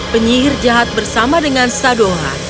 penyihir jahat bersama dengan sadoha